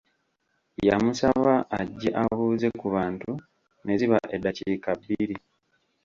Yamusaba ajje abuuze ku bantu ne ziba eddakiika bbiri.